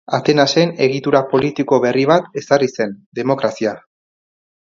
Atenasen egitura politiko berri bat ezarri zen: demokrazia.